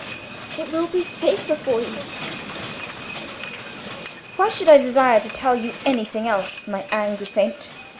"It will be safer for you." "Why should I desire to tell you anything else, my angry saint?"